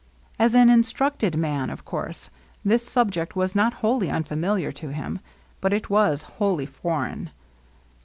As an instructed man, of course this subject was not wholly unfamiliar to him, but it was wholly for eign.